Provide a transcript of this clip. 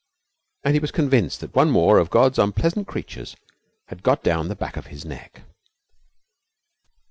And he was convinced that one more of God's unpleasant creatures had got down the back of his neck.